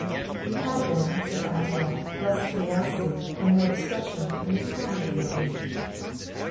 "You had then," said Oswald, "less curiosity, and more discretion, than is common at your age."